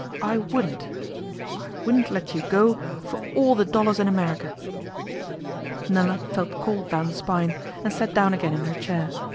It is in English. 'I wouldn't. I wouldn't let you go for all the dollars in America.' Nella felt cold down the spine, and sat down again in her chair.